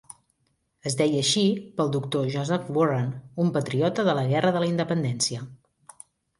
Es deia així pel Doctor Joseph Warren, un patriota de la Guerra de la Independència.